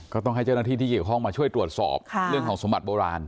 ก็ต้องให้เจ้าหน้าที่ที่เกี่ยวข้องมาช่วยตรวจสอบเรื่องของสมบัติโบราณ